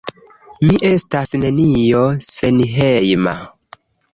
Mi estas nenio senhejma...